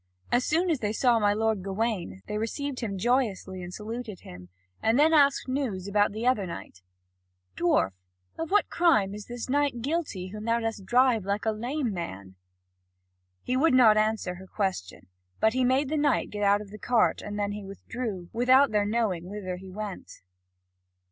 As soon as they saw my lord Gawain, they received him joyously and saluted him, and then asked news about the other knight: "Dwarf, of what crime is this knight guilty, whom thou dost drive like a lame man?" He would not answer her question, but he made the knight get out of the cart, and then he withdrew, without their knowing whither he went.